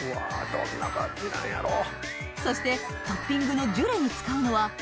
どんな感じなんやろう。